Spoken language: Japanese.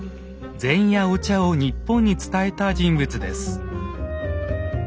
禅やお茶を日本に伝えた人物です。